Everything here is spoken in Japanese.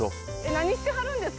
何してはるんですか？